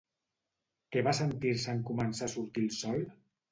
Què va sentir-se en començar a sortir el sol?